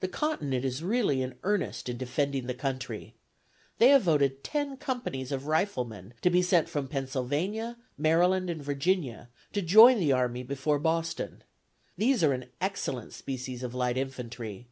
The continent is really in earnest, in defending the country. They have voted ten companies of riflemen to be sent from Pennsylvania, Maryland and Virginia, to join the army before Boston. These are an excellent species of light infantry.